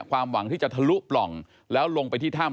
ความหวังที่จะทะลุปล่องแล้วลงไปที่ถ้ำ